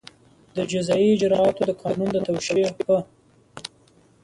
د جزایي اجراآتو د قانون د توشېح په